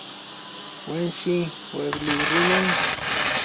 wanshi waklu runam.